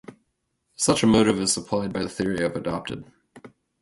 Such a motive is supplied by the theory I have adopted.